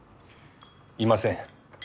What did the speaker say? いません。